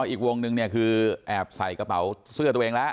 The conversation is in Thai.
อีกวงนึงเนี่ยคือแอบใส่กระเป๋าเสื้อตัวเองแล้ว